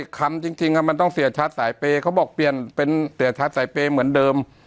คำจริงมันต้องเสียชัดสายเปย์เขาบอกเปลี่ยนเป็นเสียชัดสายเปย์เหมือนเดิม